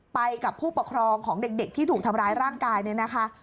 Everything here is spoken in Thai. ไปกับผู้ปกครองของเด็กที่ถูกทำร้ายร่างกายเนี่ยนะคะ